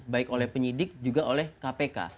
baik oleh penyidik juga oleh kpk